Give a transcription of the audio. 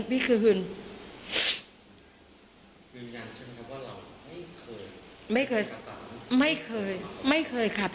พี่ไม่เคยค่ะ